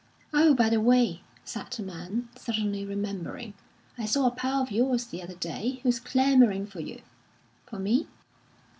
"Oh, by the way," said the man, suddenly remembering, "I saw a pal of yours the other day, who's clamouring for you." "For me?"